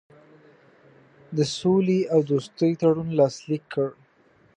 د سولي او دوستي تړون لاسلیک کړ.